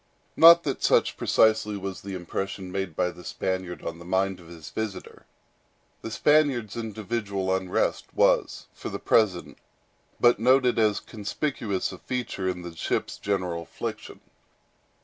Not that such precisely was the impression made by the Spaniard on the mind of his visitor. The Spaniard's individual unrest was, for the present, but noted as a conspicuous feature in the ship's general affliction.